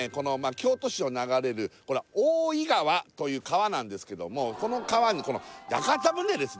京都市を流れる大堰川という川なんですけどもこの川に屋形船ですね